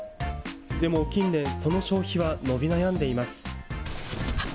でも近年、その消費は伸び悩んでいます。